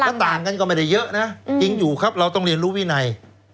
ถ้าต่างกันก็ไม่ได้เยอะนะจริงอยู่ครับเราต้องเรียนรู้วินัย